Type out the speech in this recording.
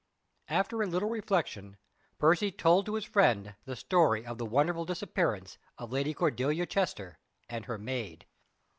After a little reflection Percy told to his friend the story of the wonderful disappearance of Lady Cordelia Chester and her maid.